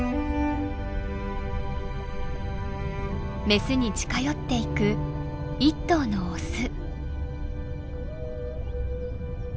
メスに近寄っていく一頭のオス。